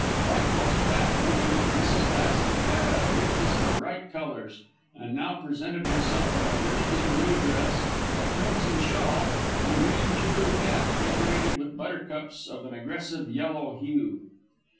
Like most fat women, Mrs. Basket had a weakness for bright colours; and now presented herself in a vividly blue dress, a crimson shawl, and a green tulle cap decorated with buttercups of an aggressive yellow hue.